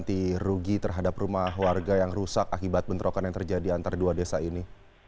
anti rugi terhadap rumah warga yang rusak akibat bentrokan yang terjadi antara dua desa ini